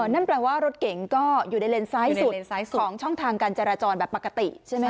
นั่นแปลว่ารถเก๋งก็อยู่ในเลนซ้ายสุดของช่องทางการจราจรแบบปกติใช่ไหมค